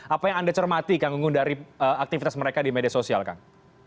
apa yang anda cermati kang gunggun dari aktivitas mereka di media sosial kang